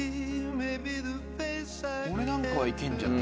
これなんかは行けんじゃない？